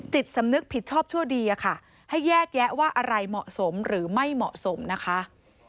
จิตสำนึกผิดชอบชั่วดีอะค่ะให้แยกแยะว่าอะไรเหมาะสมหรือไม่เหมาะสมนะคะ